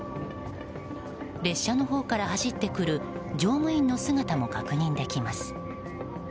列車のほうから走ってくる乗務員の姿も確認できます。